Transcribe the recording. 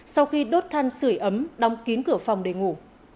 sau khi đốt than sửa ấm đóng kín cửa phòng để ngủ